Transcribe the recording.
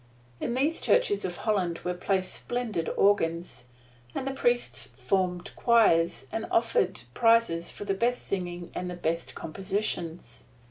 In these churches of Holland were placed splendid organs, and the priests formed choirs, and offered prizes for the best singing and the best compositions.